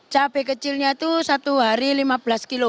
cabe kecilnya tuh satu hari lima belas kilo